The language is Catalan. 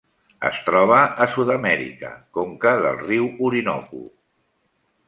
Es troba a Sud-amèrica: conca del riu Orinoco.